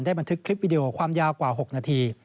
บันทึกคลิปวิดีโอความยาวกว่า๖นาที